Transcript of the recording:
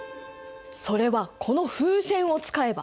それはこの風船を使えば。